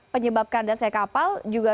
penyebabkan dasar kapal juga